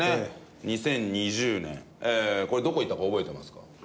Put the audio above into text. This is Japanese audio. ２０２０年これどこへ行ったか覚えてますか？